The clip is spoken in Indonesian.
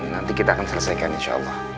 nanti kita akan selesaikan insya allah